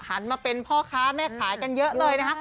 หันมาเป็นพ่อค้าแม่ขายกันเยอะเลยนะคะ